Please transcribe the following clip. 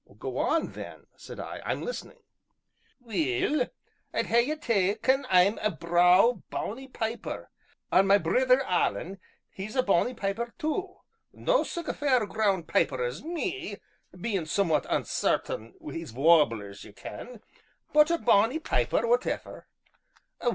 "Go on, then," said I, "I'm listening." "Weel, I'd hae ye tae ken I'm a braw, bonnie piper, an' ma brither Alan, he's a bonnie piper too no sic a fair graund piper as me, bein' somewhat uncertain wi' his 'warblers,' ye ken, but a bonnie piper, whateffer.